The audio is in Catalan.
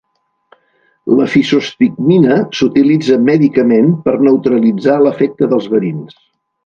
La fisostigmina s'utilitza mèdicament per neutralitzar l'efecte dels verins.